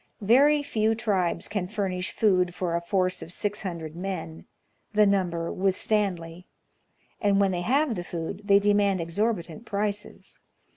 Very few tribes can furnish food for a force of six hundred men (the number with Stanley); and when they have the food, they demand exorbitant prices.